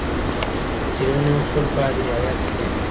د څېړني اصول باید رعایت سي.